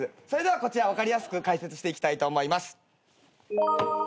それではこちら分かりやすく解説していきたいと思います。